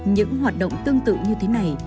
những hoạt động tương tự như thế này